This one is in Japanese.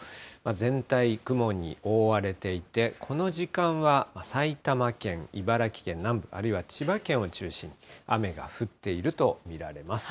全体、雲に覆われていて、この時間は埼玉県、茨城県南部あるいは千葉県を中心に雨が降っていると見られます。